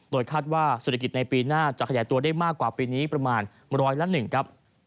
โดยคาดว่าศุรกิจในปีหน้าจะขยายตัวได้มากกว่าปีนี้ประมาณ๑๐๐ละ๑